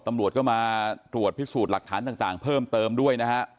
ตำรวจก็มาตรวจพิสูจน์หลักฐานต่างเพิ่มเติมด้วยนะฮะ